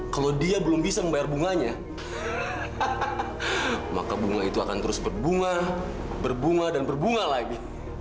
kalau dia belum bisa membayar bunganya maka bunga itu akan terus berbunga berbunga dan berbunga lagi